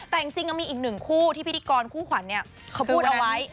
แต่จริงยังมีอีกหนึ่งคู่ที่พิธีกรคู่ขวัญเขาพูดเอาไว้